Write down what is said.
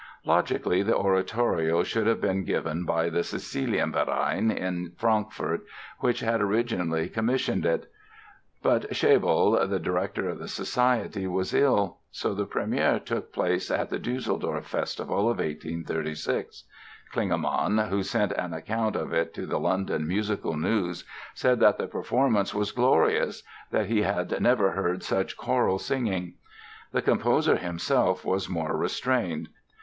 Logically the oratorio should have been given by the Cäcilienverein, in Frankfort, which had originally commissioned it. But Schelble, the director of the Society, was ill. So the premiere took place at the Düsseldorf Festival of 1836. Klingemann, who sent an account of it to the London "Musical News", said that the performance was "glorious", that he "had never heard such choral singing". The composer himself was more restrained.